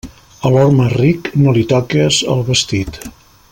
A l'home ric, no li toques el vestit.